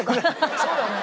そうだね。